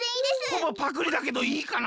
ほぼパクリだけどいいかな？